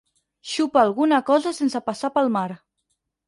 Xopar alguna cosa sense passar pel mar.